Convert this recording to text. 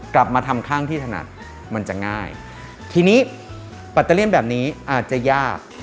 กลับมาทำข้างที่ถนัดมันจะง่ายทีนี้ปัตเตอร์เลี่ยนแบบนี้อาจจะยาก